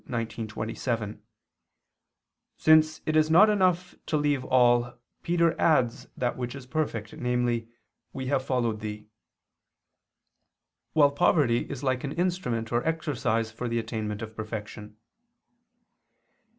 xix, 27): "Since it is not enough to leave all, Peter adds that which is perfect, namely, 'We have followed Thee,'" while poverty is like an instrument or exercise for the attainment of perfection.